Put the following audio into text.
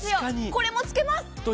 これも付けます。